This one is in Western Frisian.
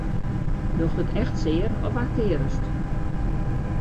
Docht it echt sear of aktearrest?